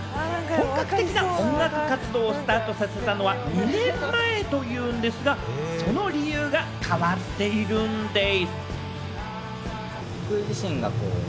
本格的な音楽活動をスタートさせたのは２年前というんですが、その理由が変わっているんでぃす！